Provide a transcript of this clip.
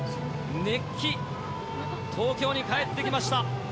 熱気、東京に帰ってきました。